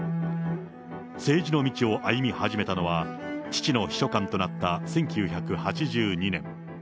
政治の道を歩み始めたのは、父の秘書官となった１９８２年。